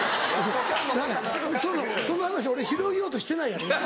だからその話俺広げようとしてないやろ今。